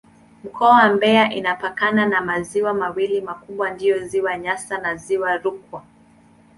Mkoa wa Mbeya inapakana na maziwa mawili makubwa ndiyo Ziwa Nyasa na Ziwa Rukwa.